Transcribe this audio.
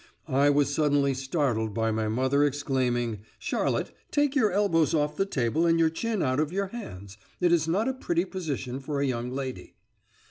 I was suddenly startled by my mother exclaiming, "Charlotte, take your elbows off the table and your chin out of your hands; it is not a pretty position for a young lady!"